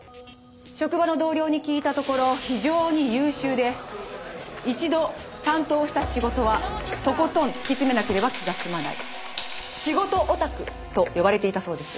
職場の同僚に聞いたところ非常に優秀で一度担当した仕事はとことん突き詰めなければ気が済まない「仕事オタク」と呼ばれていたそうです。